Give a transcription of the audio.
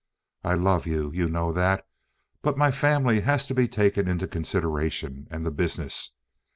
I love you, you know that. But my family has to be taken into consideration, and the business.